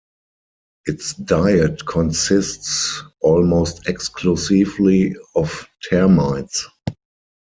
Its diet consists almost exclusively of termites.